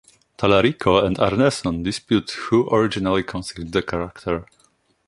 Tallarico and Arneson dispute who originally conceived the character.